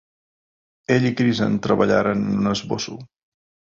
Ell i Krizan treballaren en un esbosso.